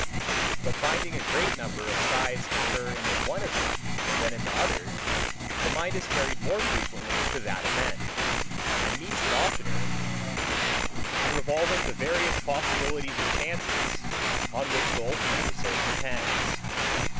But finding a greater number of sides concur in the one event than in the other, the mind is carried more frequently to that event, and meets it oftener, in revolving the various possibilities or chances, on which the ultimate result depends.